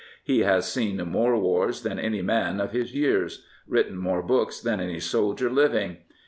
He has seen more wars than any man of his years; written more books than any soldier living.